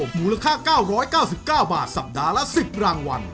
มูลค่า๙๙๙บาทสัปดาห์ละ๑๐รางวัล